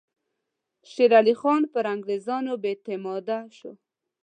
شېر علي خان پر انګریزانو بې اعتماده شو.